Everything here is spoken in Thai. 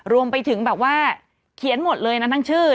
รวมไปถึงแบบว่าเขียนหมดเลยนะทั้งชื่อ